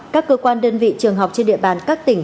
các cơ quan đơn vị trường học trên địa bàn các tỉnh